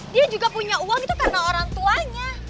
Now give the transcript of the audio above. dia juga punya uang itu karena orang tuanya